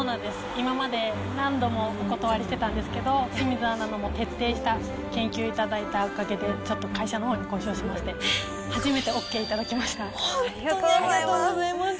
今まで何度もお断りしてたんですけど、清水アナの徹底した研究のおかげでちょっと会社のほうに交渉しまありがとうございます。